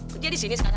kerja di sini sekarang